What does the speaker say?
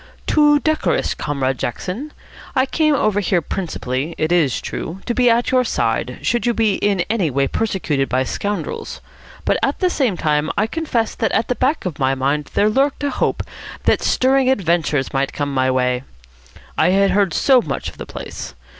"Too decorous, Comrade Jackson. I came over here principally, it is true, to be at your side, should you be in any way persecuted by scoundrels. But at the same time I confess that at the back of my mind there lurked a hope that stirring adventures might come my way. I had heard so much of the place.